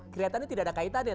kreatif ini tidak ada kaitannya